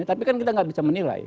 tapi kan kita nggak bisa menilai